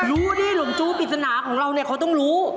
รู้ดิหลงจู้ปริศนาของเราเนี่ยเขาต้องรู้